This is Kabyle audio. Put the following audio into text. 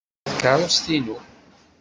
Texṣer tkeṛṛust-inu.